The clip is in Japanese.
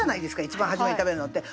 一番初めに食べるのって。